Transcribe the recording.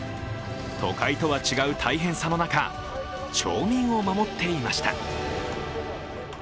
都会とは違う大変さの中、町民を守っていました。